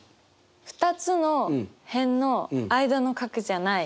２つの辺の間の角じゃない。